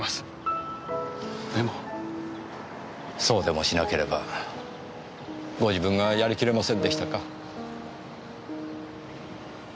そうでもしなければご自分がやりきれませんでしたか？